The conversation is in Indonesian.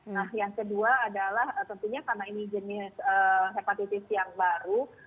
nah yang kedua adalah tentunya karena ini jenis hepatitis yang baru